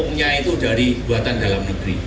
frame nya itu dari buatan dalam negeri